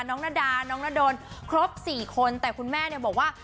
นาดาน้องนาดนครบ๔คนแต่คุณแม่เนี่ยบอกว่า